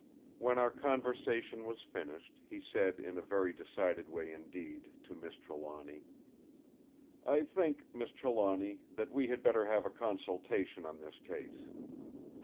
When our conversation was finished, he said in a very decided way indeed, to Miss Trelawny: "I think, Miss Trelawny, that we had better have a consultation on this case."